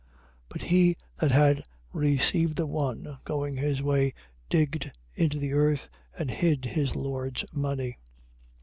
25:18. But he that had received the one, going his way, digged into the earth and hid his lord's money.